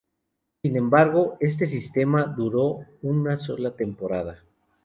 Sin embargo, este sistema solo duró una sola temporada.